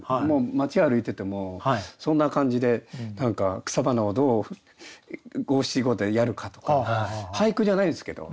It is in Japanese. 街歩いててもそんな感じで何か草花をどう五七五でやるかとか俳句じゃないんですけど